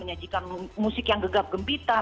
menyajikan musik yang gegap gempita